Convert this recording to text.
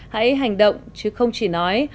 hãy hành động chứ không chỉ nói